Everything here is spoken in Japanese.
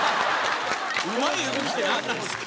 うまい動きってなんなんですか？